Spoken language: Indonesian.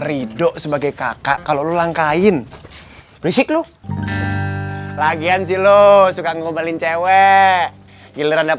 ridho sebagai kakak kalau langkain berisik lu lagian silo suka ngobalin cewek giliran dapat